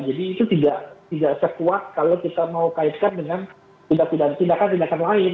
jadi itu tidak sekuat kalau kita mau kaitkan dengan tindakan tindakan lain